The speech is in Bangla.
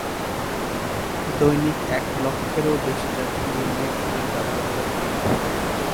দৈনিক এক লক্ষেরও বেশি যাত্রী এই মেট্রো ব্যবহার করে থাকেন।